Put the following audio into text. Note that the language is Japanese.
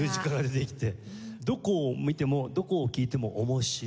どこを見てもどこを聴いても面白い。